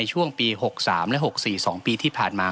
ช่วงปี๖๓และ๖๔๒ปีที่ผ่านมา